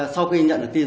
sau khi nhận được tin